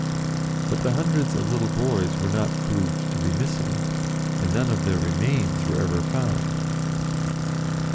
But hundreds of little boys were not proved to be missing, and none of their remains were ever found.